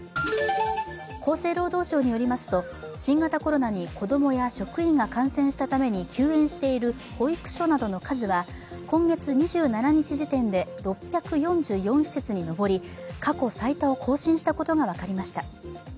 厚生労働省によりますと新型コロナに子供や職員が感染したために休園している保育所などの数は今月２７日時点で６４４施設にのぼり、過去最多を更新したことが分かりました。